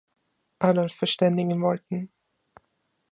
Adolf verständigen wollten.